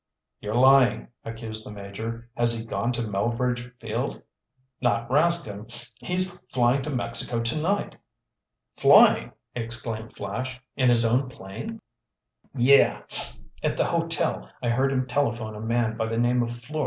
"You're lying," accused the Major. "Has he gone to Melveredge Field?" "Not Rascomb! He's flying to Mexico tonight." "Flying!" exclaimed Flash. "In his own plane?" "Yeah. At the hotel I heard him telephone a man by the name of Fleur.